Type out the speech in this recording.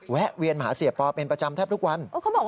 แวะเวียนมาหาเสียปอเป็นประจำแทบทุกวัน